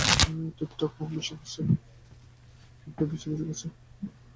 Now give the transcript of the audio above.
Tiptop করে বৃষ্টি অবশ্য পড়ছে।